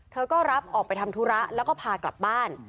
ก็รับออกไปทำธุระแล้วก็พากลับบ้าน